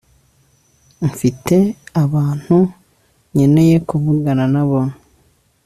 Mfite abantu nkeneye kuvugana nabo